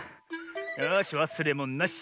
よしわすれものなし。